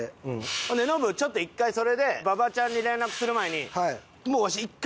ほんでノブちょっと１回それで馬場ちゃんに連絡する前にもうわし１回いってみようと。